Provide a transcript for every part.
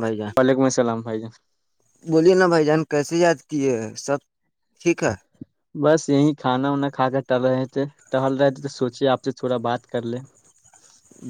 بھائی جا وعلیکم السلام بھائی جان بولیے نا بائیا جان کیسے یاد کیے سب ٹھیک ہے بس یہی کھانا وانا کھا کر ٹل رہے تھے ٹہل رہے تھے تو سوچے آپ سے تھوڑا بات کر لے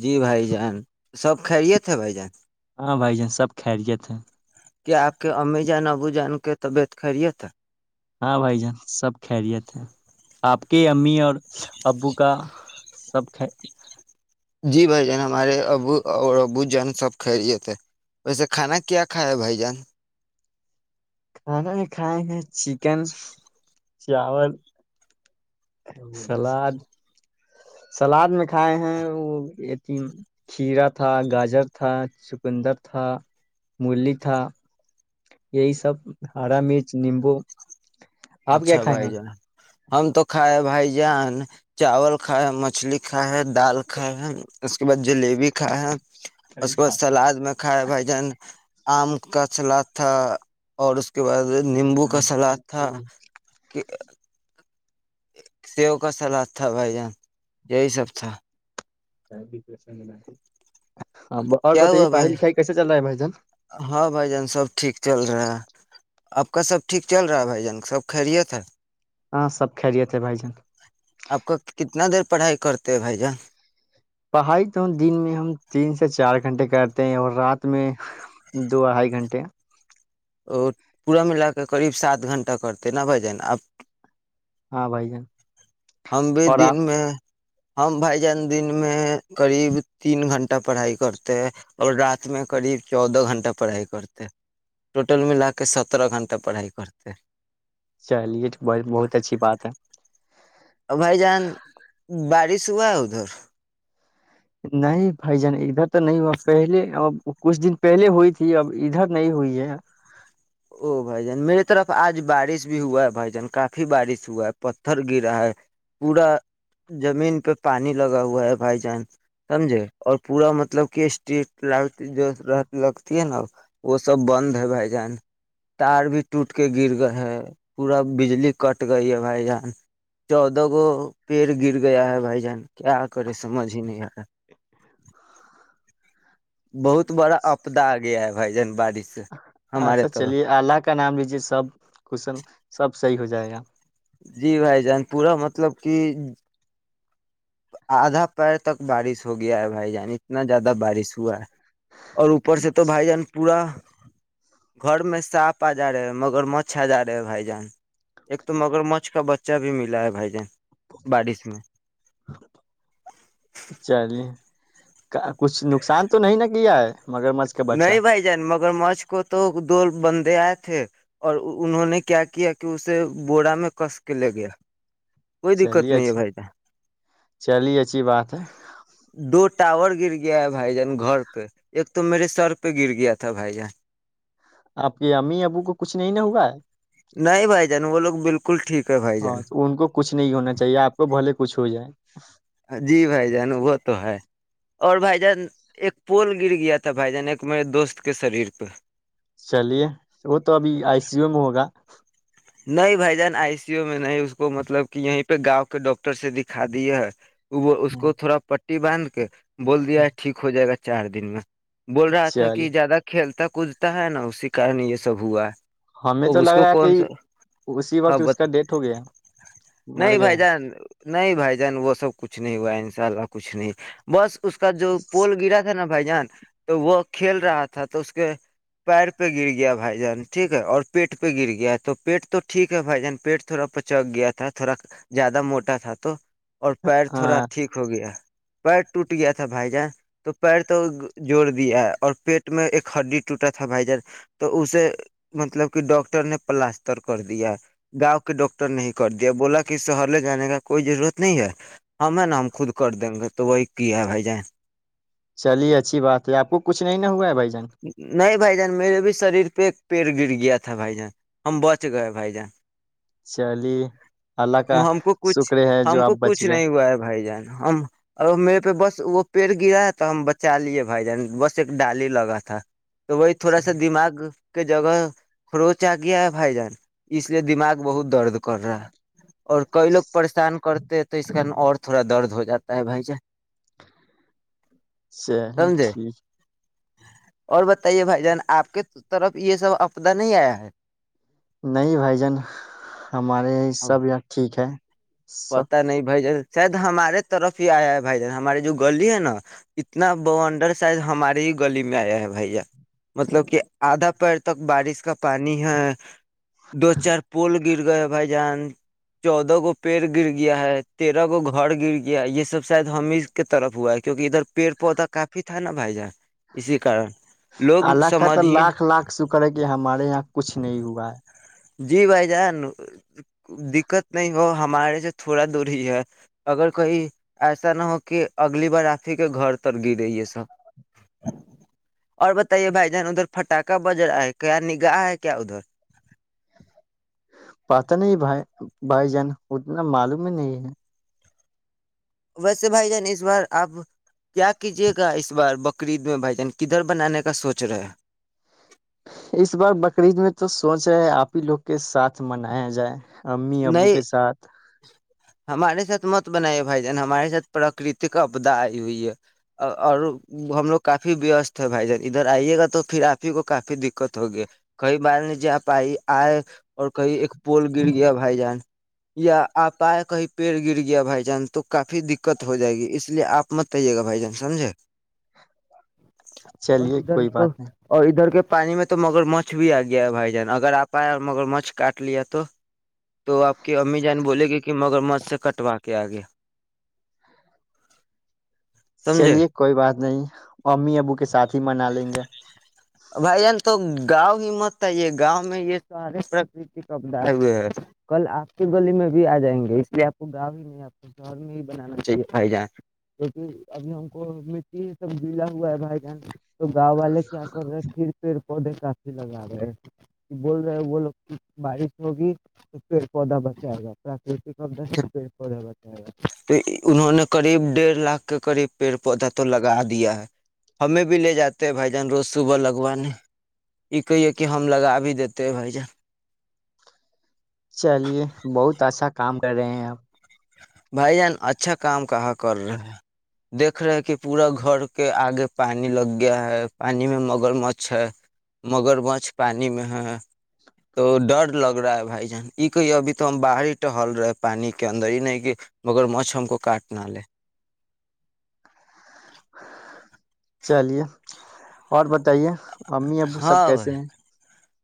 جی بھائی جان سب خریت تھے بھائی جان ہاں بھائی جان سب خیریت ہے کہ آپ کے امی جاانبوجھ جان کے تبعت خرییے تھا ہاں بھائی جان سب خیریت ہے آپ کے امی اور ابو کا سب جی بھائی جان ہمارے ابو اور ابو جان سب کھ رہیے تھے ویسے کھانا کیا کھا ہے بھائی جان کھانا نہیں کھائیں گ چکن چاول سلاد سلاد میں کھائے ہیں وہ کھیرا تھا گاجر تھا چکندر تھا مولی تھا یہی سب ہرا مرچ نیمبو آپ کیا اچھا کھائے بھائی جان ہم تو کھائے بھائی ج ا چاول کھ ہے مچھلی کھائے ہے دال کھائے ہے اس کے بعد جلیبی کھائے ہے اس کے بعد سلاد میں کھا ہے بھائی جان آم کا سلاد تھا اور اس کے بعد نیمبو کا سلاد تھا کہ سیو کا سلاد تھا بھائی جان یہی سب تھا کا بھی پرسنگ نہیں کیا ہوا بھائی رہا ہے بھائی جان ہاں بھائی جان سب ٹھیک چل رہا ہے آپ کا سب ٹھیک چل رہا ہے بھائی جان سب خیریت ہیں ہاں سب کلے تھے بھائی جان آپ کا کتنا دیر پڑھائی کرتے بھائی جان پڑھائی تو دن میں ہم تین سے چار گھنٹے کرتے ہیں اور رات میں دو اھائی گھنٹے وہ پورا میں ل کے قریب سات گھنٹہ کرتے ن بائی جن آپ ہاں بھائی جان ہم بھی اور دن آپ میں ہم بھائی جان دن میں قریب تین گھٹہ پڑھائی کرتے ہیں اور رات میں قریب چودہ گھنٹہ پڑھائی کرتے ٹوٹل ملا کے سترہ گھنٹہ پڑھائی کرتے چلیے ب بہت اچھی بات ہے اور بھائی جان بارش ہوا ہے ادھر نہیں بائی جان تو نہیں ہوا پہلے ا کچھ دن پہلے ہوئی تھی اب ادھر نہیں ہوئی ہے او بھائی جان میرے طرف آج بارش بھی ہوا ہے بھائی جان کافی بارش ہوا ہے پتھر گرا ہے پورا زمین پہ پانی لگا ہوا ہے بھائی جان سمجھے اور پورا مطلب کہ اسٹٹ ر جو رہ لگتی ہے نا وہ سب بند ہے بھائی جان تار بھی ٹوٹ کے گر گئے ہے پورا بجلی کٹ گئی ہے بھائی جان چودودہ گو پیڑ گر گیا ہے بھائی جان کیا کرے سمجھ ہی نہیں آ رہا بہت بڑا اپ سپدہ آ گیا ہے بھائی جان بارش سے ہاں مار اچھا طور چلیے اللہ کا نام لیجیے سب صحیح ہو جائے گا جی بھای جان پورا مطلب کہ ادھا پیر تک بارش ہو گیا ہے بھای جان اتنا زیادہ بارش ہوا ہے اور اوپر سے تو بھای جان پورا گھر میں ساپ ا جا رہے مگرمچھ ا جا رہے ہے بھای جان ایک تو مگرمچھ کا بچہ بھی ملا ہے بھای جان بارش میں چلیے کچھ نقصان تو نہیں نا کیا ہے مگر مچھ کا بچہ نہیں بھای جان مگرمچھ کو تو دو بندے آئے تھے اور انہوں نے کیا کیا کہ اسے بورا میں کس کے لے گیا کوی دققت چلیے نہیں ہے اچھی بھای جان چلیے اچھی بات ہے دو ٹاور گر گیا ہے بھائی جان گھر پہ ایک تو میرے سر پہ گر گیا تھا بھائی جان آپ کے امی ابو کو کچھ نہیں نہ ہوا ہے بلکل ٹھیک ہے بھائی ہاں جان ان کو کچھ نہیں ہونا چاہیے آپ کو بھلے کچھ ہو جائے جی بھائی جان وہ تو ہے اور بھائی جان ایک پول گر گیا تھا بھائی جان ایک میرے دوست کے شریر پہ چلیے وہ تو ابھی آئی سی یو میں ہوگا نہیں بھائی جان ائی سی یو میں نہیں اس کو مطلب کہ یہیں پہ گاوں کے ڈاکٹر سے دکھا دیے ہیں وہ اس ہوں، کو تھوڑا پ ٹی باندھ کے بول دیا ٹھیک ہو جائے گا چار دن میں بول رہا تھا چلیے کہ زیادہ کھیلتا کودتا ہے نہ اسی کارن یہ سب ہوا ہمیں تو اب اس لگ کو رہا ہے کہ کون سا اسی ہاں وقت اس بتا کا ڈیتھ ہو گیا مر نہیں گیا بھائی جان نہیں بھائی جان وہ سب کچھ نہیں ہوا ہے انشاء اللہ کچھ نہیں بس اس کا جو پول گرا تھا نہ بھائی جان تو وہ کھیل رہا تھا تو اس کے پیر پہ گر گیا بھائی جان ٹھیک ہے اور پیٹ پہ گر گیا تو پیٹ تو ٹھیک ہے بھائی جان پیٹ تھوڑا پچک گیا تھا تھوڑا زیادہ موٹا تھا تو اور پیر تھوڑا ہاں ٹھیک ہو گیا پیر ٹوٹ گیا تھا بھائی جان تو پیر تو جوڑ دیا ہے اور پیٹ میں ایک ہڈی ٹوٹا تھا بھائی جان تو اسے مطلب کہ ڈاکٹر نے پلاسٹر کر دیا گاؤں کے ڈاکٹر نہیں کر دیا بولا کہ شہر لے جانے کا کوئی ضرورت نہیں ہے ہم ہے نا ہم خود کر دیں گے تو وہی کیا بھائی جن چلیے اچھی بات ہے آپ کو کچھ نہیں ن ہوا ہے بھائی جان نہیں بھائی جان میرے بھی شریر پہ ایک پیڑ گر گیا تھا بھائی جان ہم ب کچھ گ ہے بھائی جا چلی اللہ کا ہم کو کچھ شکر ہے جو ہم آپ کو بچ کچھ گئے نہیں ہوا ہے بھائی جان ہم ا میرے پہ بس وہ پیڑ گرا ہے تو ہم بچا لیے بھائی جان بس ایک ڈالی لگا تھا تو وہی تھوڑا سا چل- دماغ کے جگہ خروچ آ گیا ہے بھائی جان اس لیے دماغ بہت درد کر رہا ہے اور کئی لوگ پریشان کرتے ہیں تو اس کن اور تھوڑا درد ہو جاتا ہے بھائی جان س سمجھے ٹھیک اور بتائیے بھائی جان آپ کی طرف یہ سب آدہ نہیں آیا ہے نہیں بھائی جان ہمارے یہ سب یہاں ٹھیک ہے سب پتاہ نہیں بائی ج شاید ہمارے طرف ہی آیا ہے بھائی جان ہماراری جو گلی ہے نا اتنا ب انڈر ساید ہمارے ہی گلی میں آیا ہے بھائی جان مطلب کہ آدھا پیر تک بارش کا پانی ہے دو چار پول گر گئے بھائی جان چودہ گو پیڑ گر گیا ہے تیرہ گو گھر گر گیا ہے یہ سب شاید ہم ہی کے طرف ہوا ہے کیوںک ادھر پیڑ پودا کافی تھا نا بھائی جان اسی کارن لوگ اللہق ہے سمجھ تو ہی نہیں۔ لاکھ لاکھ شکر ہے کہ ہمارے یہاں کچھ نہیں ہوا ہے جی بھائی جان دقت نہیں ہو ہمارے سے تھوڑا دور ہی ہے اگر کوئی ایسا نہ ہو کہ اگلی بار آپ ہی کے گھر تر گرے ہے سب اور بتائیے بھائی جان ادھر پٹااکا بج رہا ہے کیا نگاہ ہے کیا ادھر پتاہ نہیں بھائی بھائی جان اتنا معلوم ہی نہیں ہے ویسے بھائی جان اس بار آپ کیا کیجیے گا اس بار بقرید میں بھائی جان کدھر بنانے کا سوچ رہے ہیں اس بار بکرعید میں تو سوچ ہے آپ ہی لوگ کے ساتھ منایا جائے امی ابو نئی کے ساتھ ہمارے ساتھ مت بنائے بھائی جان ہمارے ساتھ پرکرت آدا آئی ہوئی ہے اور ہم لوگ کافی وست ہے بھائی جان ادھر آئیے گا تو پھر آپ ہی کو کافی دقت ہوگی کئی بال ن جے آ پائی آئے اور کہئی ایک پول گر گیا بھائی جان یا آپ آئے کہیں پیڑ گر گیا بھائی جان تو کافی دقت ہو جائے گی اس لیے آپ مت آئیے گا بھائی جان سمجھے اور چلیے ادھر کوئی تو بات نہیں اور ادھر کے پانی میں تو مگر مچ بھی آ گیا ہے بھائی جان اگر آپ آیا اور مگر مچھ کاٹ لیا تو تو آپ کی امی جان بولے گی کہ مگر مت سے کٹوا کے آ گیا سمجھے چلیے کوئی بات نہیں امی ابو کے ساتھ ہی منا لیں گے بھائی جان تو گاؤں ہی مت چاہیے گاؤں میں یہ سارے پراکرتک اپدائے ہوئے ہے کل آپ کے گلی میں بھی آ جائیں گے اس لیے آپ کو گاؤں ہی نہیں آتا شہر میں ہی بنانا چاہیے بھائی جان کیکہ ابھی ہم کو مٹی ہی سب گلا ہوا ہے بھائی جان تو گاؤں والے کیا کھیر پ پودے کافی لگا رہے ہیں بول رہے ب لو بارش ہوگی تو پیڑ پودا بچائے گا پراکرتد سے پیڑ پودا بچائے گا تو انہوں نے قریب ڈیڑھ لاکھ کے قریب پیڑ پودا تو لگا دیا ہے ہمیں بھی لے جاتے بھائی جان روز تو لگوانی ہم لگا بھی دیتے ہیں بھائی جان چلیے بہت اچھا کام کر رہے ہیں آپ بھائی جان اچھا کام کہاں کر رہے دیکھ رہے کہ پورا گھر کے آگے پانیانی لگ گیا ہے پانی میں مگر مچھ ہے مگر مچھ پانی میں ہے تو ڈر لگ رہا ہے بھائی جان یہ کہیے ابھی تو ہم باہر ہی ٹہل رہے پانی کے اندر ہی نہیں کہ مگرمچھ ہم کو کاٹ نہ لے۔ چلیے اور بتائیے۔ امی ابو سب ہاں کیسے ہیں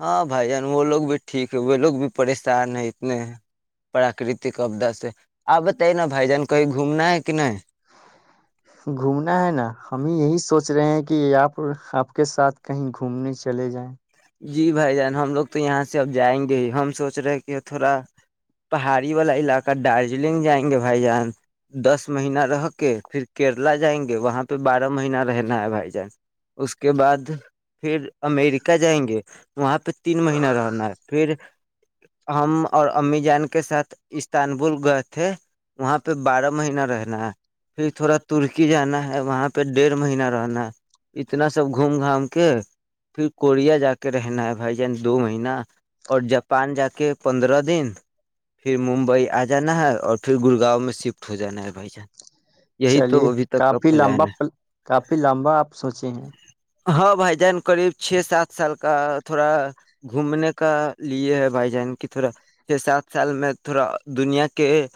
ہاں بھائی جان وہ لوگ۔ پھر ٹھیک ہے وہ لوگ بھی پریشان ہے اتنے پراکرتک اپدا سے آپ بتائیے نا بھائی جان کہیں گھومنا ہے کہ نہیں۔ گھومنا ہے نا ہمیں یہی سوچ رہے ہیں کہ آپ آپ کے ساتھ کہیں گھومنے چلے جائیں۔ جی بھائی جان ہم لوگ تو یہاں سے اب جائیں گے ہی ہم سوچ رہے ہیں کہ تھوڑا پہاڑی والا علاقہ دارجلنگ جائیں گے بھائی جان دس مہینہ رہ کے پھر کیرلا جائیں گے وہاں پہ بارہ مہینہ رہنا ہے بھائی جان اس کے بعد پھر امیریکہ جائیں گے۔ کہ۔ وہاں پہ تین مہینہ رہنا ہے پھر۔ ہم اور امی جان کے ساتھ استانبول گئے تھے وہاں پہ بارہ مہینہ رہنا ہے پھر تھوڑا ترکی جانا ہے وہاں پہ ڈیڑھ مہینہ رہنا ہے اتنا سب گھوم گھام کے پھر کوریا جا کے۔ کے رہنا ہے بھائی جان دو مہینہ اور جاپان جا کے پندرہ دن پھر ممبئی آ جانا ہے اور پھر گڑگاؤں میں شفٹ ہو جانا ہے بھائی جان۔ یہی چلیے تو ابھی تک کا کافی پلان لمبا کافی لمبا آپ سوچے ہیں۔ ہاں بھائی جان قریب چھ سات سال۔ کا تھوڑا گھومنے کا لیے ہے بھائی جان کی تھوڑا چھ سات سال میں تھوڑا دنیا کے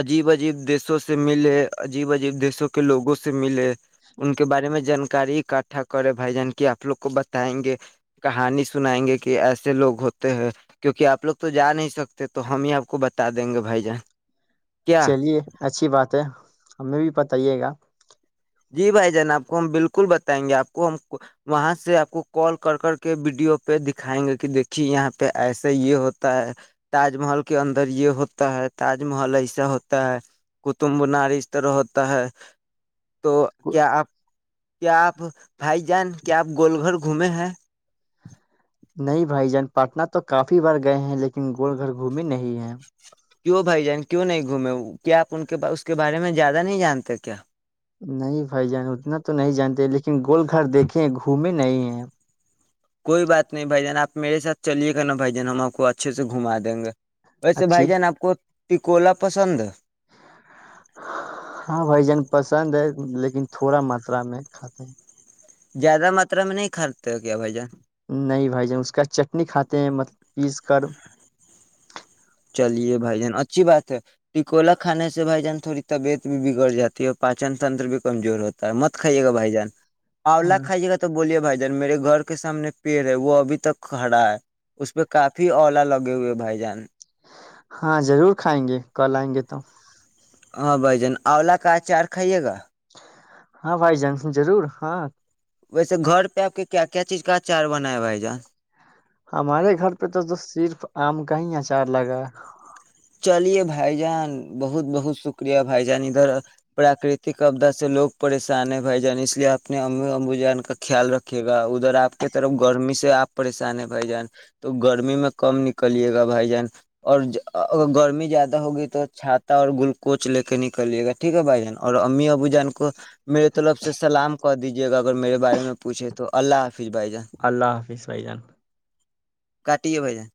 عجیب عجیب دیسوں سے ملے عجیب عجیب دیشوں کے لوگوں سے ملے ان کے بارے میں جانکاری اکٹھا کرے بھائی جان کہ آپ لوگ کو بتائیں گے۔ کہانی سنائیں گے کہ ایسے لوگ ہوتے ہیں کیونکہ آپ لوگ تو جا نہیں سکتے تو ہم ہی آپ کو بتا دیں گے بھائی جان۔ کیا چلیے اچھی بات ہے۔ ہمیں بھی بتایے گا۔ جی بھائی جان آپ کو ہم بالکل بتائیں گے آپ کو ہم وہاں سے آپ کو کال کر کر کے ویڈیو پہ دکھائیں گے کہ دیکھیے یہاں پہ ایسا یہ ہوتا ہے تاج محل کے اندر یہ ہوتا ہے تاج محل ایسا ہوتا ہے کطب منار اس طرح ہوتا ہے۔ تو کیا آپ کیا آپ بھائی جان کیا آپ گول گھر گھومے ہیں۔ نہیں بھائی جان پٹنہ تو کافی بار گئے ہیں لیکن گول گھر گھمی نہیں ہیں۔ کیوں بھائی جان کیوں نہیں گھومے کیا آپ ان کے اس کے بارے میں زیادہ نہیں جانتے کیا۔ نہیں بھائی جان اتنا تو نہیں جانتے لیکن گول گھر دیکھے گھومے نہیں ہیں۔ کوئی بات نہیں بھائی جان آپ میرے ساتھ چلیے گا نا بھائی جان ہم آپ کو اچھے سے گھما دیں گے۔ ویسے بھائی اچھی جان آپ کو تکولا پسندہیں۔ ہاں بھائی جان پسند ہے لیکن تھوڑا ماترا میں کھاتے ہیں۔ زیادہ ماترا میں نہیں کھاتے ہو کیا بھایی جان۔ نہیں بھائی جان اس کا چٹنی کھاتے ہیں مطلب پیس کر۔ چلیے بھائی جان اچھی بات ہے ٹکولا کھانے سے بھائی جان تھوڑی طبیعت بھی بگڑ جاتی ہے اور پاچن تنتر بھی کمزور ہوتا ہے مت کھائیے گا بھائی جان۔ آولہ ہاں کائیے گا تو بولیے بھائی۔ ادھر میرے گھر کے سامنے ایک پیڑ ہے وہ ابھی تک کھڑا ہے اس پہ کافی اولا لگے ہوئے ہے بھائی جان۔ ہاں ضرور کھائیں گے کل آئیں گے تو۔ ہاں بھجان آولا کا اچار کھائیے گا۔ ہاں بھائی جان ضرور ہاں۔ ویسے گھر پہ آپ کے کیا کیا چیز کا اچار بناہے بھائی جان۔ ہمارے گھر پہ تو تو صرف آم کا ہی اچار لگا ہے۔ چلیے بھائی جان بہت بہت شکریہ بھائی جان ادھر پراکرتک اپدا سے لوگ پریشان ہیں بھائی جان اس لیے اپنے امی ابو جان کا خیال رکھیے گا ادھر آپ کے طرف گرمی سے آپ پریشان ہیں بھائی جان تو گرمی میں کم نکلیے گا بھائی جان اور۔ اگر گرمی زیادہ ہوگی تو چھاتا اور گلوکوچ لے کے نکلیے گا ٹھیک ہے بھائی جان اور اممی ابو جان کو۔ میرے طلف سے سلام۔ کر دیجیے گا اگر میرے بارے میں پوچھے تو اللہ حافظ۔ بھائی جان اللہ حافظ بھائی جان۔ کاٹیے بھائی جان۔